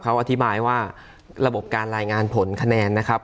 เขาอธิบายว่าระบบการรายงานผลคะแนนนะครับ